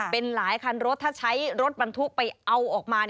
เป็นหลายคันรถถ้าใช้รถบรรทุกไปเอาออกมา